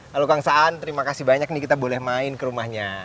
halo kang saan terima kasih banyak nih kita boleh main ke rumahnya